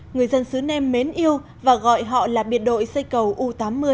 người dân xứ nem mến yêu và gọi họ là biệt đội xây cầu u tám mươi